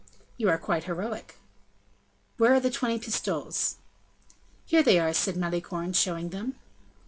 "You are quite heroic." "Where are the twenty pistoles?" "Here they are," said Malicorne, showing them.